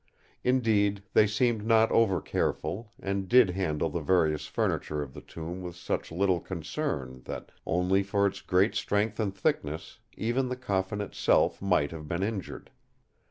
Indeed they seemed not over careful; and did handle the various furniture of the tomb with such little concern that, only for its great strength and thickness, even the coffin itself might have been injured.